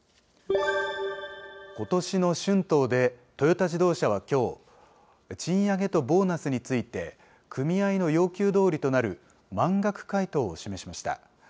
ことしの春闘で、トヨタ自動車はきょう、賃上げとボーナスについて、組合の要求どおりとなる満額回答を示しました。